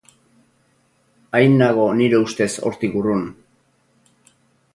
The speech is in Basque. Hain nago nire ustez hortik urrun.